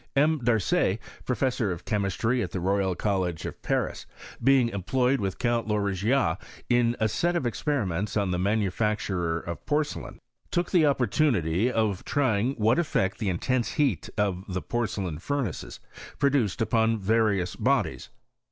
M. Darcet, professor of chemistry at the Royal Collie of Paris, being employed with Count Lauragais in a set of experiments on the manufacture of porcelain, took the opportunity of trying what effect the in tense heat of the porcelain furnaces produced upon various bodies.